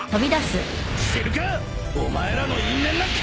知るかお前らの因縁なんか！